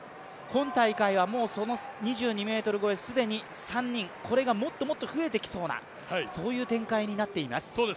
今大会はもうその２２ｍ越え、既に３人これがもっともっと増えてきそうな展開になっています。